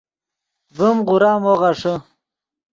ڤیم غورا مو غیݰے